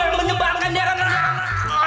gue nggak mau